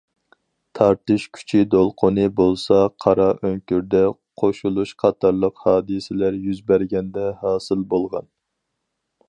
تارتىش كۈچى دولقۇنى بولسا قارا ئۆڭكۈردە قوشۇلۇش قاتارلىق ھادىسىلەر يۈز بەرگەندە ھاسىل بولغان.